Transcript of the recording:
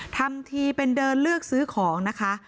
ทำทีเป็นเดินเลือกซื้อของนะคะ